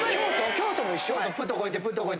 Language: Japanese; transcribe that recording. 京都も一緒！？